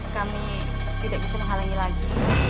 kami tidak bisa menghalangi lagi